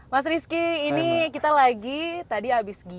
mas rizky ini kita lagi tadi abis giat